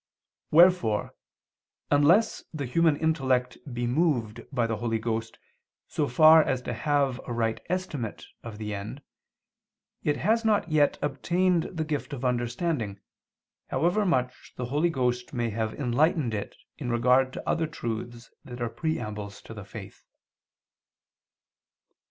Wherefore unless the human intellect be moved by the Holy Ghost so far as to have a right estimate of the end, it has not yet obtained the gift of understanding, however much the Holy Ghost may have enlightened it in regard to other truths that are preambles to the faith.